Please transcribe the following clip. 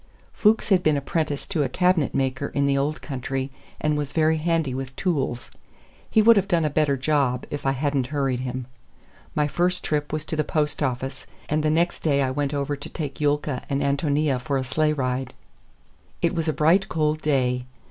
Fuchs had been apprenticed to a cabinet maker in the old country and was very handy with tools. He would have done a better job if I had n't hurried him. My first trip was to the post office, and the next day I went over to take Yulka and Ántonia for a sleigh ride. It was a bright, cold day.